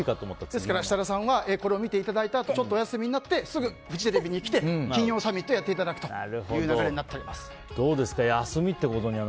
ですから、設楽さんはこれを見ていただいたあとちょっとお休みになってすぐフジテレビに来て金曜サミットをやっていただくというどうですか？